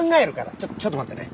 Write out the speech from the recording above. ちょちょっと待ってね。